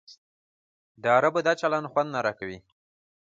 د عربو دا چلند خوند نه راکوي.